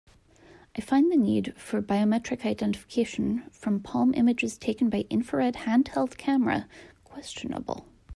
I find the need for biometric identification from palm images taken by infrared handheld camera questionable.